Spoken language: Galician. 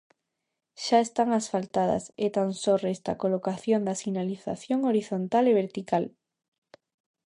Xa están asfaltadas e tan só resta a colocación da sinalización horizontal e vertical.